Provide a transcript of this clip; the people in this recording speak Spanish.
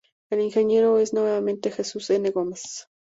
El ingeniero es nuevamente Jesús N. Gómez.